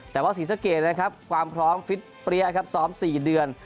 แต่ว่าศรีสะเกดนะครับความพร้อมฟิตเปรี้ยครับซ้อม๔เดือน